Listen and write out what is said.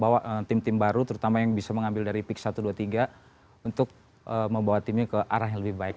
bawa tim tim baru terutama yang bisa mengambil dari pix satu ratus dua puluh tiga untuk membawa timnya ke arah yang lebih baik